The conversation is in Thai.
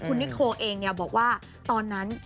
คุณนิโคเองบอกว่าตอนนั้น